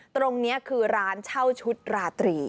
ตรงนี้คือร้านเช่าชุดราตรี